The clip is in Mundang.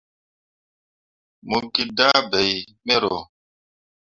Mo gi dah bai mero.